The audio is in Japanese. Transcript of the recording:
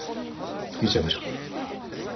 見ちゃいましょう。